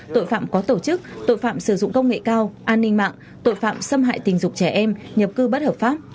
tội phạm có tổ chức tội phạm sử dụng công nghệ cao an ninh mạng tội phạm xâm hại tình dục trẻ em nhập cư bất hợp pháp